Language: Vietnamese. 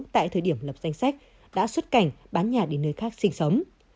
tại thời điểm lập danh sách đã xuất cảnh bán nhà đến nơi khác sinh sống